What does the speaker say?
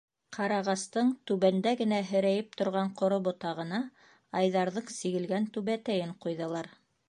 Ҡарағастың түбәндә генә һерәйеп торған ҡоро ботағына Айҙарҙың сигелгән түбәтәйен ҡуйҙылар.